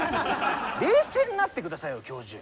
冷静になってくださいよ教授。